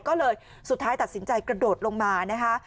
ก็เลยสุดท้ายตัดสินใจกระโดดลงมานะคะ